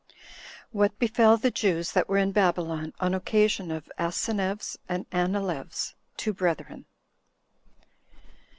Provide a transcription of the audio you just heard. What Befell The Jews That Were In Babylon On Occasion Of Asineus And Anileus, Two Brethren.